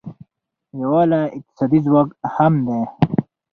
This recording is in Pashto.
یووالی اقتصادي ځواک هم دی.